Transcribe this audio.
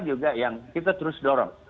juga yang kita terus dorong